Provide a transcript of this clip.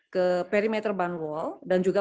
ke perimeter band wall dan juga